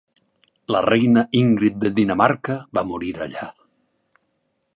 La reina Ingrid de Dinamarca va morir allà.